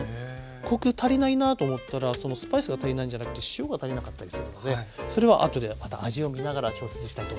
コク足りないなと思ったらスパイスが足りないんじゃなくて塩が足りなかったりするのでそれはあとでまた味をみながら調節したいと思います。